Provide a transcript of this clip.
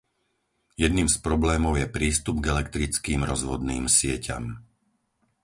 Jedným z problémov je prístup k elektrickým rozvodným sieťam.